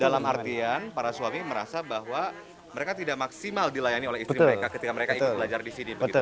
dalam artian para suami merasa bahwa mereka tidak maksimal dilayani oleh istri mereka ketika mereka ikut belajar di sini